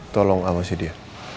tolong awasi dia